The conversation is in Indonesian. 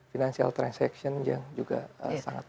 finansial transaction yang juga sangat baik